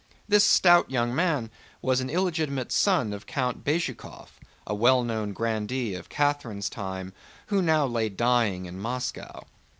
This stout young man was an illegitimate son of Count Bezúkhov, a well known grandee of Catherine's time who now lay dying in Moscow.